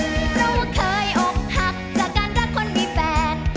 แล้วเว้อเคยออกหักจากการรักคนมีแฟน